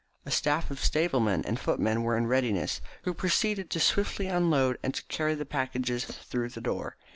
A staff of stablemen and footmen were in readiness, who proceeded to swiftly unload and to carry the packages through the door.